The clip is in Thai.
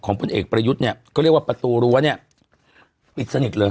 พลเอกประยุทธ์เนี่ยก็เรียกว่าประตูรั้วเนี่ยปิดสนิทเลย